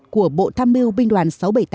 của bộ tham mưu binh đoàn sáu trăm bảy mươi tám